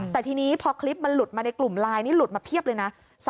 แต่ทีนี้พอคลิปมันหลุดมาในกลุ่มไลน์นี่หลุดมาเพียบเลยนะ